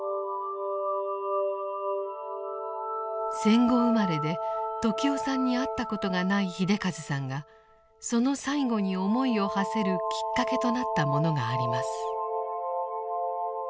戦後生まれで時雄さんに会ったことがない秀和さんがその最期に思いをはせるきっかけとなったものがあります。